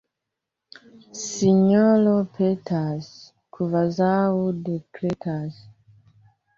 Sinjoro petas, kvazaŭ dekretas.